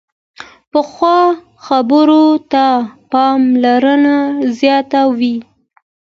پخو خبرو ته پاملرنه زیاته وي